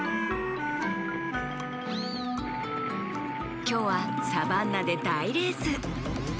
きょうはサバンナでだいレース！